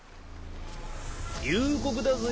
夕刻だぜ。